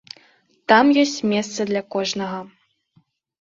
Там ёсць месца для кожнага.